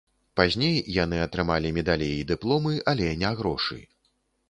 Пазней яны атрымалі медалі і дыпломы, але не грошы.